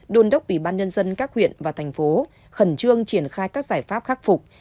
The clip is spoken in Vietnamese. đồn đốc ubnd các huyện và thành phố khẩn trương triển khai các giải pháp khắc phục